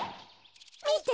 みて！